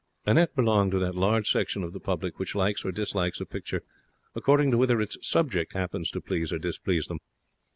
Annette belonged to that large section of the public which likes or dislikes a picture according to whether its subject happens to please or displease them.